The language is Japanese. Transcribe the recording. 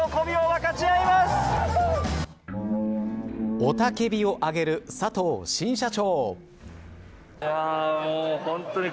雄たけびをあげる佐藤新社長。